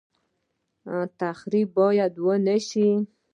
تخریب باید ونشي